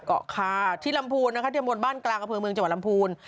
เกาะคาที่ลำพูนนะคะที่มนตบ้านกลางอำเภอเมืองจังหวัดลำพูน